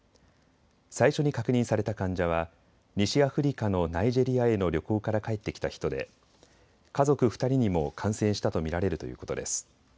最初に確認された患者は西アフリカのナイジェリアへの旅行から帰ってきた人で家族２人にも感染したと見られるということです。